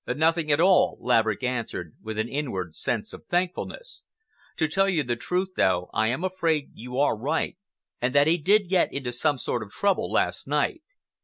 "Nothing at all," Laverick answered, with an inward sense of thankfulness. "To tell you the truth, though, I am afraid you are right and that he did get into some sort of trouble last night.